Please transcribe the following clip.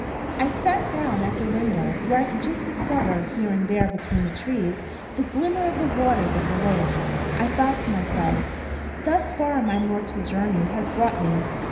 I sat down at the window, where I could just discover, here and there between the trees, the glimmer of the waters of the lake. I thought to myself: "Thus far my mortal journey has brought me.